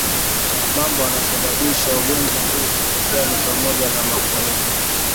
Mambo yanayosababisha ugonjwa huu kutokea ni pamoja na maafuriko